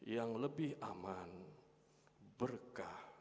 yang lebih aman berkah dan selamat